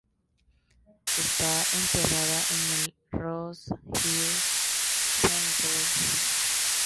Está enterrada en el Rose Hill Cemetery.